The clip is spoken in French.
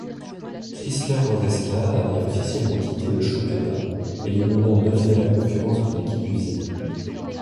Chrysler-Oreca avait officiellement quitté le championnat, éliminant de fait la concurrence d'une équipe usine.